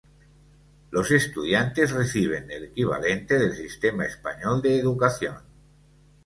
Los estudiantes reciben el equivalente del sistema español de educación.